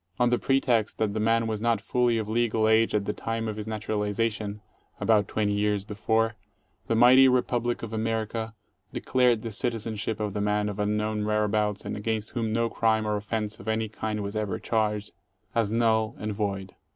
On the pretext that the man was not fully of legal age at the time of his naturaliza tion — about 20 years before — the mighty Republic of America de clared the citizenship of the man of unknown whereabouts and against whom no crime or offence of any kind was ever charged, as null and void.